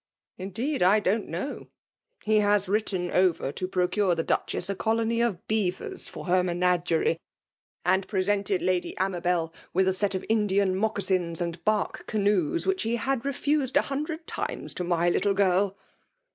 '* Indeed I don't know. He has writtan over to ppocare the Dochessu colony of beavers fbr her menageae ; and presented Lady Ama i>el with a set of Indian mocassins and bade canoes, v/bitk he had raised a hundmd ttmes to my little girl."